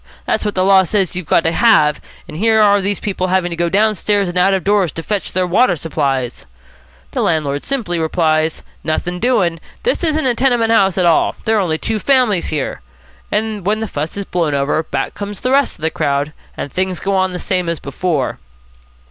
That's what the law says you've got to have, and here are these people having to go downstairs and out of doors to fetch their water supplies,' the landlord simply replies, 'Nothing doing. This isn't a tenement house at all. There are only two families here.' And when the fuss has blown over, back come the rest of the crowd, and things go on the same as before."